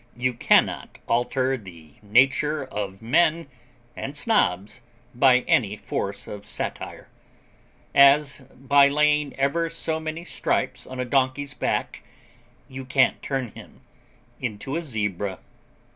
You cannot alter the nature of men and Snobs by any force of satire; as, by laying ever so many stripes on a donkey's back, you can't turn him into a zebra.